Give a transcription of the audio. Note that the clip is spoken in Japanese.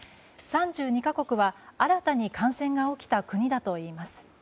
３２か国は新たに感染が起きた国だといいます。